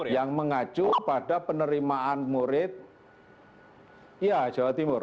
yang mengacu pada penerimaan murid jawa timur